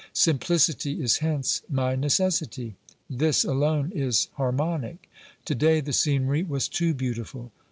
Simplicity is hence my necessity ; this alone is harmonic. To day the scenery was too beautiful.